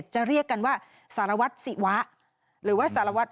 จะเรียกกันว่าสารวัตรศิวะหรือว่าสารวัตร